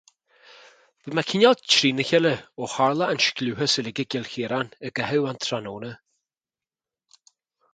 Bhí mé cineál trína chéile ó tharla an scliúchas uilig i gCill Chiaráin i gcaitheamh an tráthnóna.